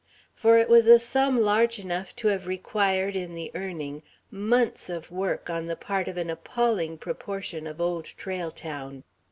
For it was a sum large enough to have required, in the earning, months of work on the part of an appalling proportion of Old Trail Town.